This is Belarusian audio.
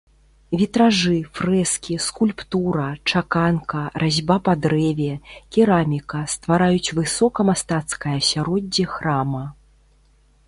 Вітражы, фрэскі, скульптура, чаканка, разьба па дрэве, кераміка ствараюць высокамастацкае асяроддзе храма.